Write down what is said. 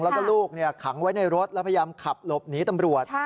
แล้วก็ลูกขังไว้ในรถแล้วพยายามขับหลบหนีตำรวจ